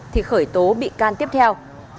thì khởi tố bị can tiếp theo